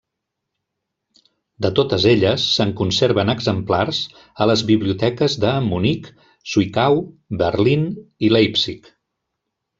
De totes elles se'n conserven exemplars a les biblioteques de Munic, Zwickau, Berlín i Leipzig.